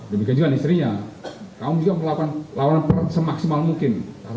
demikian juga istrinya kamu juga melakukan lawan semaksimal mungkin